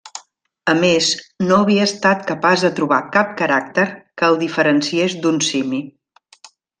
A més, no havia estat capaç de trobar cap caràcter que el diferenciés d'un simi.